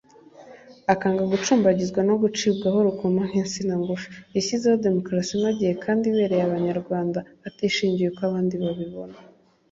akanga gucumbagizwa no gucibwaho urukoma nk’insina ngufi; Yashyizeho demokarasi inogeye kandi ibereye abanyarwanda atishingiye uko abandi babibona